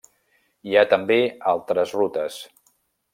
Hi ha també altres rutes.